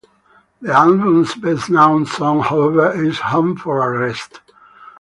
The album's best-known song, however, is "Home for a Rest".